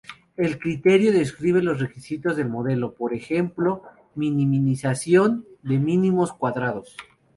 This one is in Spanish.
El criterio describe los requisitos del modelo, por ejemplo minimización de Mínimos cuadrados.